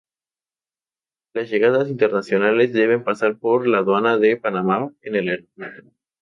Las llegadas internacionales deben pasar por la aduana de Panamá en el aeropuerto.